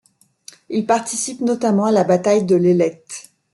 Il participe notamment à la bataille de l'Ailette.